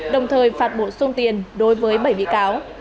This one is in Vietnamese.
đồng thời phạt bộ xung tiền đối với bảy bị cáo